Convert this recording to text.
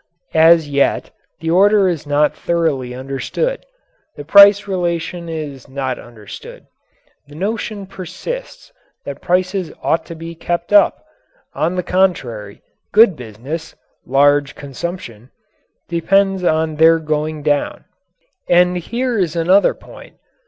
As yet, the order is not thoroughly understood. The price relation is not understood. The notion persists that prices ought to be kept up. On the contrary, good business large consumption depends on their going down. And here is another point.